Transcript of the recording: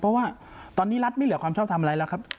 เพราะว่าตอนนี้รัฐไม่เหลือความชอบทำอะไรแล้วครับ